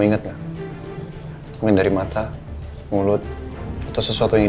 saya sudah arabdan saya memilih tujuan dari donji